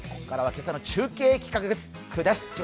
ここからは今朝の中継企画です。